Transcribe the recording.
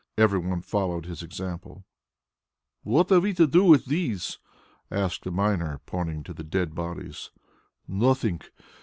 Every one followed his example. "What are we to do with these?" asked a miner, pointing to the dead bodies. "Nothing.